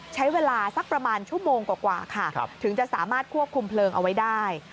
ใช้เวลาสักประมาณชั่วโมงกว่าค่ะถึงจะสามารถควบคุมเพลิงเอาไว้ได้